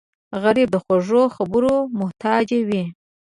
غریب د خوږو خبرو محتاج وي